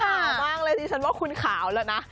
ขาวมากเลยดิฉันว่าคุณขาวแล้วนะ